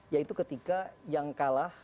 yaitu ketika yang kalah